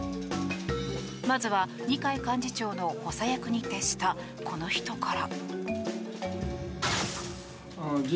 まずは二階幹事長の補佐役に徹したこの人から。